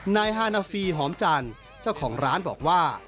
นายฮานาฟีหอมจันทร์เจ้าของร้านบอกว่า